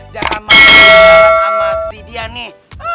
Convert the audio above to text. jangan malem jalan sama si dia nih